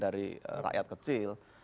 dari rakyat kecil